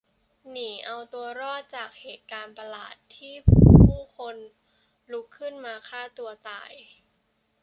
หนีเอาตัวรอดจากเหตุการณ์ประหลาดที่ผู้คนลุกขึ้นมาฆ่าตัวตาย